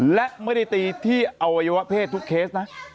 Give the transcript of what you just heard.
และไม่ได้ตีที่อวัยวะเพศทุกเคสนะ